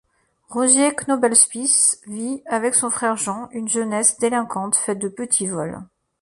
Roger Knobelspiess vit, avec son frère Jean, une jeunesse délinquante faite de petits vols.